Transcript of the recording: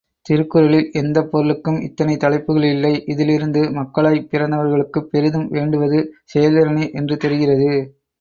திருக்குறளில் எந்தப் பொருளுக்கும் இத்தனை தலைப்புக்களில்லை, இதிலிருந்து மக்களாய்ப் பிறந்தவர்களுக்குப் பெரிதும் வேண்டுவது செயல்திறனே என்று தெரிகிறது.